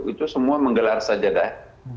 itu semua menggelar sajadah